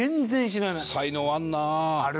才能あるなあ。